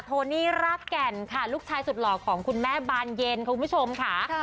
โทนี่รากแก่นค่ะลูกชายสุดหล่อของคุณแม่บานเย็นคุณผู้ชมค่ะ